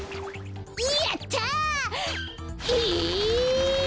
やった！え！